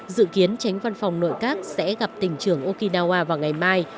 dự kiến tránh văn phòng nội các sẽ gặp tỉnh trưởng okinawa vào ngày mai